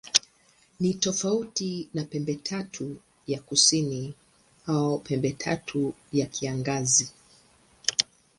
Ni tofauti na Pembetatu ya Kusini au Pembetatu ya Kiangazi.